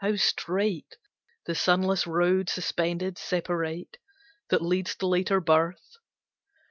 How strait The sunless road, suspended, separate, That leads to later birth!